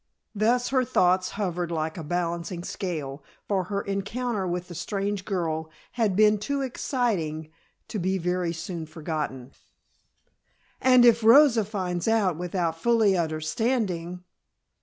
Thus her thoughts hovered, like a balancing scale, for her encounter with the strange girl had been too exciting to be very soon forgotten. "And if Rosa finds out without fully understanding!"